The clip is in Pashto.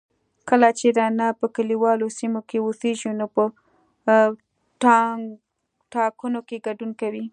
کله چې نارینه په کليوالو سیمو کې اوسیږي نو په ټاکنو کې ګډون کوي